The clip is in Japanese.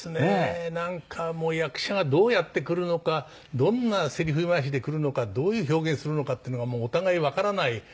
なんかもう役者がどうやってくるのかどんなセリフ回しでくるのかどういう表現するのかっていうのがお互いわからない。